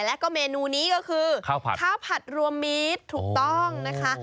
แล้วก็เมนูนี้ก็คือข้าวผัดข้าวผัดรวมมีดถูกต้องนะคะ